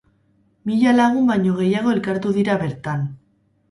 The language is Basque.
Mila lagun baino gehiago elkartu dira bertan.